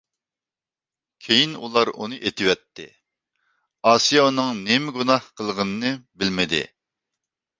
كېيىن ئۇلار ئۇنى ئېتىۋەتتى، ئاسىيە ئۇنىڭ نېمە گۇناھ قىلغىنىنى بىلمىدى.